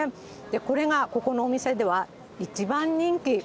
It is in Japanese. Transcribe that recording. これがここのお店では一番人気。